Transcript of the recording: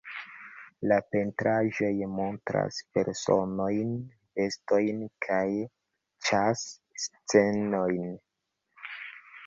La pentraĵoj montras personojn, bestojn kaj ĉas-scenojn.